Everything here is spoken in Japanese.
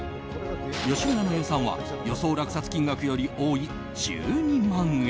吉村の予算は予想落札金額より多い１２万円。